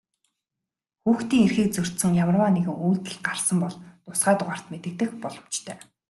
Хүүхдийн эрхийг зөрчсөн ямарваа нэгэн үйлдэл гарсан бол тусгай дугаарт мэдэгдэх боломжтой.